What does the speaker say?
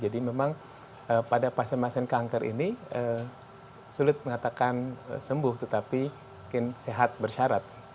memang pada pasien pasien kanker ini sulit mengatakan sembuh tetapi mungkin sehat bersyarat